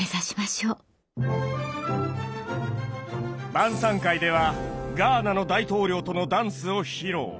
晩餐会ではガーナの大統領とのダンスを披露。